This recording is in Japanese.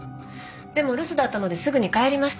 でも留守だったのですぐに帰りました。